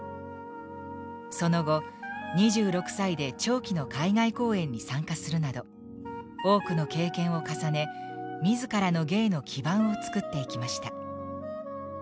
その後２６歳で長期の海外公演に参加するなど多くの経験を重ね自らの芸の基盤を作っていきました。